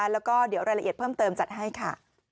แล้วก็เดี๋ยวรายละเอียดเพิ่มเติมจัดให้ค่ะ